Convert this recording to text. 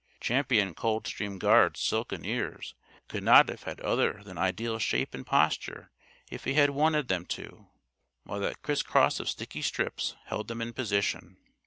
Champion Coldstream Guard's silken ears could not have had other than ideal shape and posture if he had wanted them to while that crisscross of sticky strips held them in position!